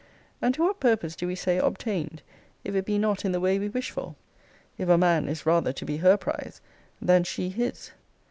And to what purpose do we say obtained, if it be not in the way we wish for? If a man is rather to be her prize, than she his?